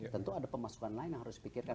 tentu ada pemasukan lain yang harus dipikirkan